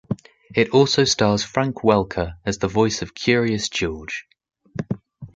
It also stars Frank Welker as the voice of Curious George.